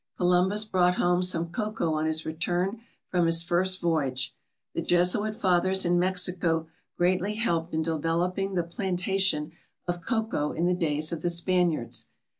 Columbus brought home some cocoa on his return from his first voyage. The Jesuit fathers in Mexico greatly helped in developing the plantation of cocoa in the days of the Spaniards.